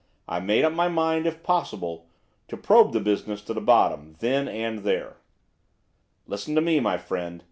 I made up my mind, if possible, to probe the business to the bottom, then and there. 'Listen to me, my friend.